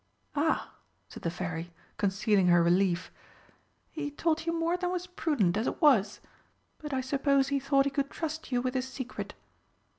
"Ah," said the Fairy, concealing her relief, "he told you more than was prudent as it was. But I suppose he thought he could trust you with his secret."